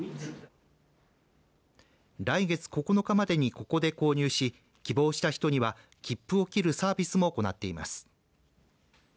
来月９日までに、ここで購入し希望した人には切符を切るサービスも行っています。